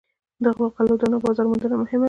د غلو دانو بازار موندنه مهمه ده.